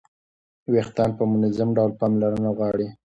ویښتان په منظم ډول پاملرنه غواړي.